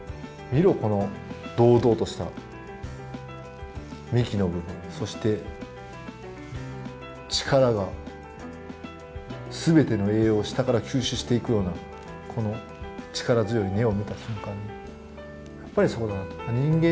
見ろ、この堂々とした幹の部分そして力が全ての栄養を下から吸収していくようなこの力強い根を見た瞬間にやっぱりそこだなと、人間